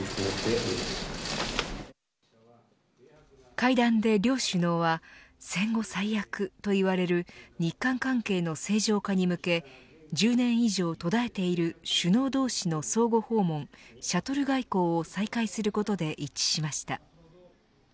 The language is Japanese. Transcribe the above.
会談で両首脳は、戦後最悪と言われる日韓関係の正常化に向け１０年以上途絶えている首脳同士の相互訪問シャトル外交を再開することで一致しました。